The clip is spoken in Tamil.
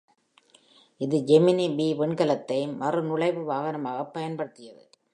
இது ஜெமினி பி விண்கலத்தை மறுநுழைவு வாகனமாகப் பயன்படுத்தியது.